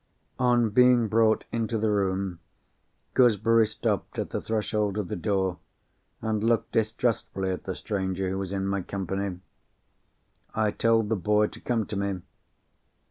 On being brought into the room, Gooseberry stopped at the threshold of the door, and looked distrustfully at the stranger who was in my company. I told the boy to come to me.